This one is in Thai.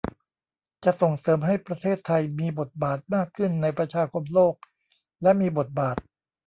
จะส่งเสริมให้ประเทศไทยมีบทบาทมากขึ้นในประชาคมโลกและมีบทบาท